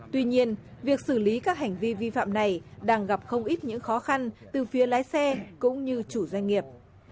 tuy nhiên việc xử lý các hành vi vi phạm này đang gặp không ít những khó khăn từ phía lái xe cũng như chủ doanh nghiệp